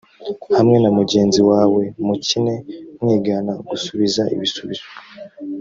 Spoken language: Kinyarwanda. hamwe na mugenzi wawe mukine mwigana gusubiza ibisubizo